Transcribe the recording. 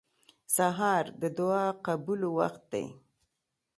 سهار د دعا قبولو وخت دی.